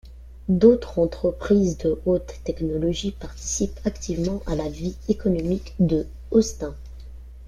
D'autres entreprises de hautes technologies participent activement à la vie économique de Austin.